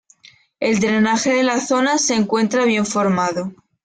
El drenaje de la zona se encuentra bien formado.